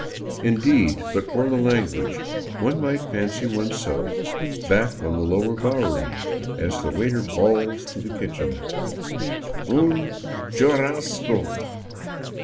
Indeed, but for the language, one might fancy oneself back on the lower Bowery as the waiter bawls to the kitchen :" Un churrasco